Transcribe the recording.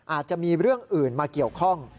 อาจจะมีเรื่องอื่นมาเกี่ยวข้อง